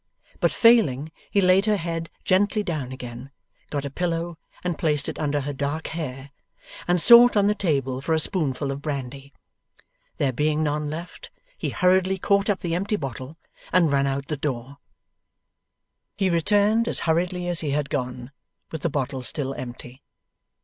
But failing, he laid her head gently down again, got a pillow and placed it under her dark hair, and sought on the table for a spoonful of brandy. There being none left, he hurriedly caught up the empty bottle, and ran out at the door. He returned as hurriedly as he had gone, with the bottle still empty.